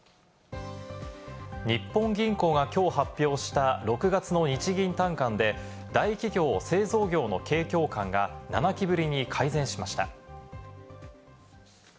日本銀行がきょう発表した６月の日銀短観で、大企業・製造業の景況感が７期ぶりに改善しました。